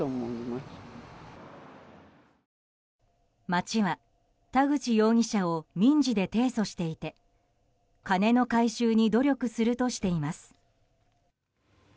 町は田口容疑者を民事で提訴していて金の回収に努力するとしています。